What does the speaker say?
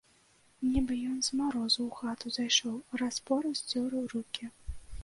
Нібы ён з марозу ў хату зайшоў, раз-пораз цёр рукі.